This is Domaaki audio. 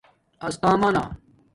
استامنݣ